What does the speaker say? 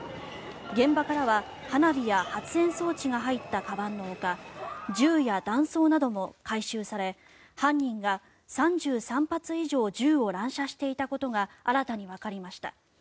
現場からは花火や発煙装置が入ったかばんのほか銃や弾倉なども回収され犯人が３３発以上銃を乱射していたことが新たにわかりました。